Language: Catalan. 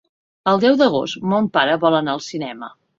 El deu d'agost mon pare vol anar al cinema.